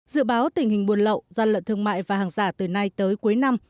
dự báo tình hình buôn lậu gian lận thương mại và hàng giả từ nay tới cuối năm